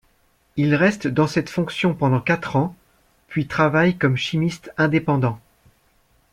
Il reste dans cette fonction pendant quatre ans, puis travaille comme chimiste indépendant.